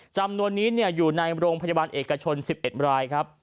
จำนวนนี้อยู่ในโรงพยาบาลเอกชน๑๑รายครับ